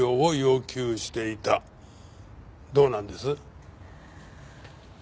どうなんです？